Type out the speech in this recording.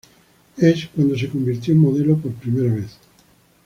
Es, cuando se convirtió en modelo por primera vez.